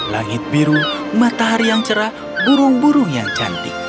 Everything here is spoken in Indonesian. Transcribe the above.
langit biru matahari yang cerah burung burung yang cantik